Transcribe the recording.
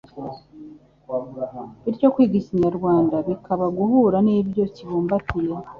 Bityo kwiga Ikinyarwanda bikaba guhura n'ibyo kibumbatiye